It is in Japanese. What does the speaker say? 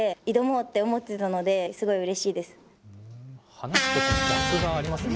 話すとギャップがありますね。